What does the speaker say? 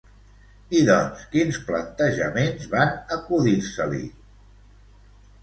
I doncs quins plantejaments van acudir-se-li?